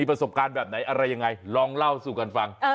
ประสบการณ์แบบไหนอะไรยังไงลองเล่าสู่กันฟัง